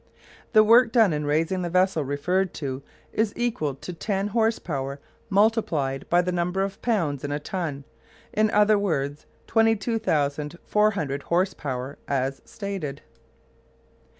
The work done in raising the vessel referred to is equal to ten horse power multiplied by the number of pounds in a ton, or, in other words, 22,400 horse power, as stated.